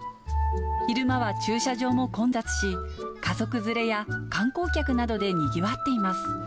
昼間は駐車場も混雑し、家族連れや観光客などでにぎわっています。